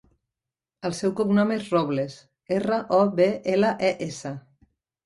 El seu cognom és Robles: erra, o, be, ela, e, essa.